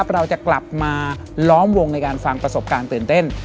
เราจะกลับมาล้อมวงในการฟังประสบการณ์ตื่นเต้น